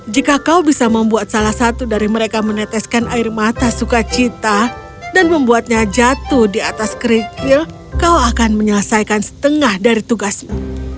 jika kau bisa membuat salah satu dari mereka meneteskan air mata sukacita dan membuatnya jatuh di atas kerikil kau akan menyelesaikan setengah dari tugasmu